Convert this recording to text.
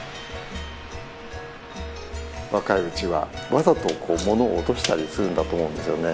若いうちはわざと物を落としたりするんだと思うんですよね。